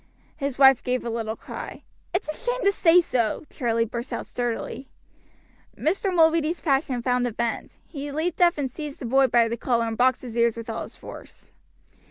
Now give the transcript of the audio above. His wife gave a little cry. "It's a shame to say so," Charlie burst out sturdily. Mr. Mulready's passion found a vent. He leaped up and seized the boy by the collar and boxed his ears with all his force.